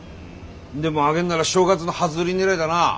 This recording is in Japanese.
でも揚げんなら正月の初売り狙いだな。